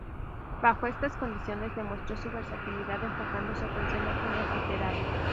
Bajo estas condiciones demostró su versatilidad enfocando su atención a fines literarios.